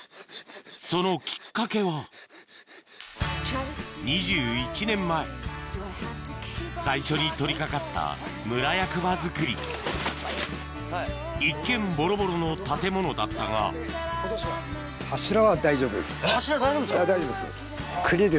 そのきっかけは２１年前最初に取り掛かった一見ボロボロの建物だったが柱は大丈夫ですか？